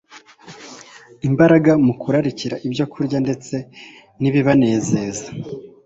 imbaraga mu kurarikira ibyokurya ndetse n’ibibanezeza,